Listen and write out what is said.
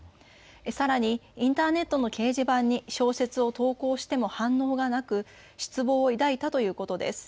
さらにインターネットの掲示板に小説を投稿しても反応がなく失望を抱いたということです。